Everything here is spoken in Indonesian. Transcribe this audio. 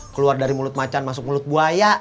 keluar dari mulut macan masuk mulut buaya